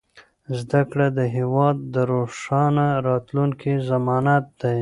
زده کړه د هېواد د روښانه راتلونکي ضمانت دی.